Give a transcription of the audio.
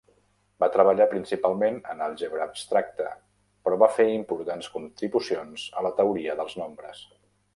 Va treballar principalment en àlgebra abstracta, però va fer importants contribucions a la teoria dels nombres.